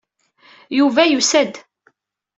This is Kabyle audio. Yuba yusa-d.